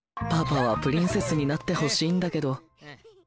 パパはプリンセスになってほしいんだけど。